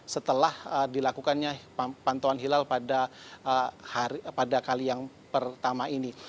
setelah dilakukannya pantauan hilal pada kali yang pertama ini